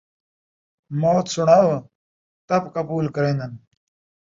موت سݨاؤ ، تپ قبول کرین٘دن